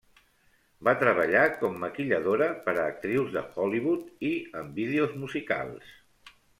Va treballar com maquilladora per a actrius de Hollywood i en vídeos musicals.